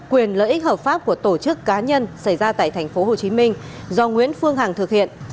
quyền lợi ích hợp pháp của tổ chức cá nhân xảy ra tại tp hcm do nguyễn phương hằng thực hiện